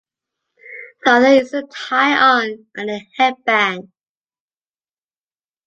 The other is the tie-on and the head band.